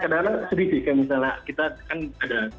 kadang kadang serius sih misalnya kita kan siap kamar kan ada ini dan itu lagi